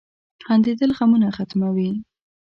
• خندېدل غمونه ختموي.